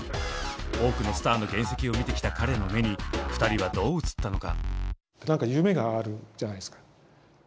多くのスターの原石を見てきた彼の目に２人はどう映ったのか。